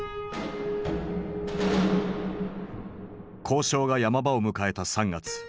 交渉が山場を迎えた３月。